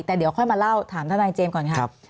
แต่เดี๋ยวค่อยมาเล่าถามทนายเจมส์ก่อนครับ